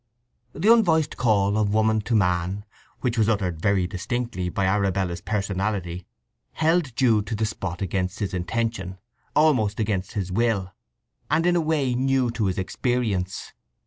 The unvoiced call of woman to man, which was uttered very distinctly by Arabella's personality, held Jude to the spot against his intention—almost against his will, and in a way new to his experience.